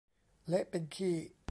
เละเป็นขี้